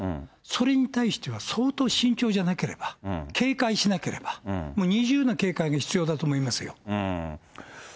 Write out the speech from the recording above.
それに対しては相当慎重じゃなければ、警戒しなければ、もう二重の警戒が必要だと思いますよ。